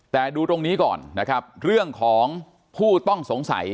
แต่ดูตรงนี้ก่อนนะครับเรื่องของผู้ต้องสงสัย